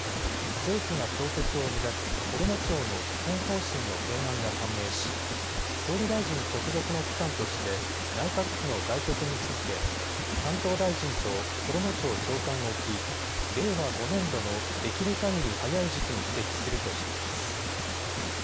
政府が創設を目指すこども庁の基本方針の原案が判明し、総理大臣直属の機関として内閣府の外局に位置づけ担当大臣とこども庁長官を置き、令和５年度のできるかぎり早い時期に設置するとしています。